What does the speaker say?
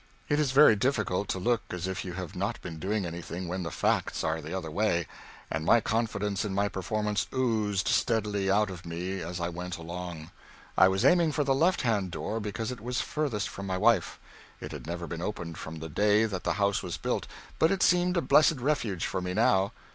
It is very difficult to look as if you have not been doing anything when the facts are the other way, and my confidence in my performance oozed steadily out of me as I went along. I was aiming for the left hand door because it was furthest from my wife. It had never been opened from the day that the house was built, but it seemed a blessed refuge for me now.